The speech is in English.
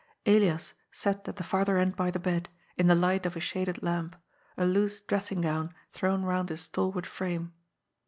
Elias sat at the farther end by the bed, in the light of a shaded lamp, a loose dressing gown thrown round his stalwart frame.